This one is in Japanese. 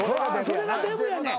それがデブやねん。